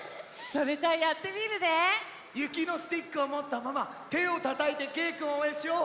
ゆきのスティックをもったままてをたたいてけいくんをおうえんしよう。